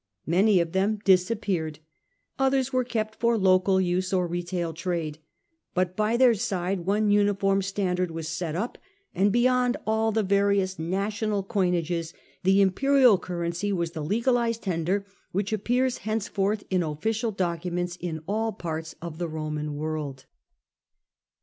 Many of them disappeared, others were kept for local use or retail trade ; but by their side one uniform standard was set up, and beyond all the various national coinages the imperial currency was the legalized tender which appears henceforth in official docu ments in all parts of the Roman world.